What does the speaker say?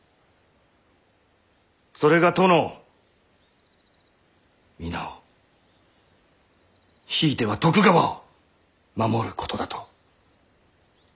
それが殿を皆をひいては徳川を守ることだと。